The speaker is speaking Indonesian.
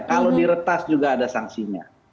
kalau diretas juga ada sanksinya